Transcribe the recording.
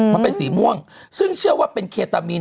มันเป็นสีม่วงซึ่งเชื่อว่าเป็นเคตามีน